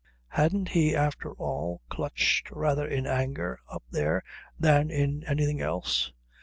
Hadn't he after all clutched rather in anger up there than in anything else?